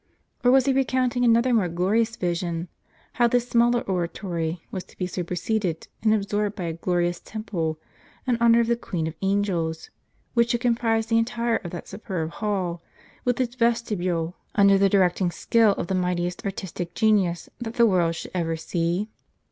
t Or was he recounting another more glorious vision, how this smaller oratory was to be superseded and absorbed by a glorious temple in honor of the Queen of Angels, which should comprise the entire of tliat superb hall, with its vestibule, under the directing skill of the mightiest artistic genius that the world should ever see